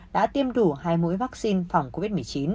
đã tiêm đủ hai mũi vaccine phòng covid một mươi chín